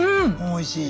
おいしい？